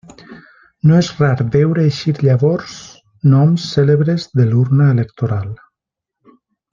No és rar veure eixir llavors noms cèlebres de l'urna electoral.